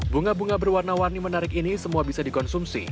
bunga bunga berwarna warni menarik ini semua bisa dikonsumsi